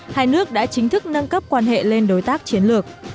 hai nước đã chính thức nâng cấp quan hệ lên đối tác chiến lược